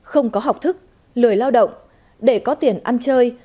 không có học thức lười lao động để có tiền ăn chơi